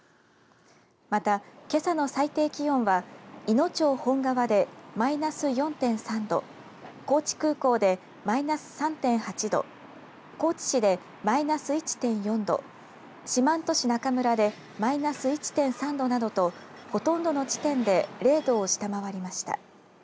また、けさの最低気温はいの町本川でマイナス４．３度高知空港でマイナス３．８度高知市でマイナス１．４度四万十市中村でマイナス１．３度などとほとんどの地点で０度を下回りました。